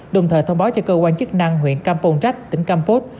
đồng thời thông báo cho cơ quan chức năng huyện campon trách tỉnh campos